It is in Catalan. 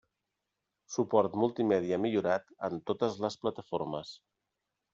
Suport multimèdia millorat en totes les plataformes.